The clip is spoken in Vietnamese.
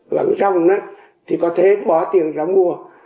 vẫn xong thì có thể bỏ tiền ra mua